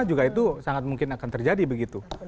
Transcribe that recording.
juga itu sangat mungkin akan terjadi begitu